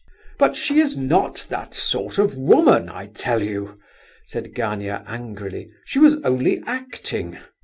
"But she is not that sort of woman, I tell you!" said Gania, angrily. "She was only acting."